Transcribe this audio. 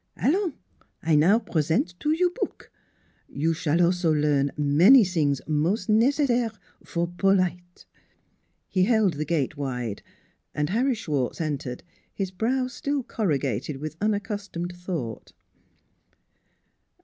Allans! I now present to you book. You s'all also learn many sings mos' necessaire for polite." 142 NEIGHBORS He held the gate wide and Harry Schwartz entered, his brow still corrugated with unaccus tomed thought.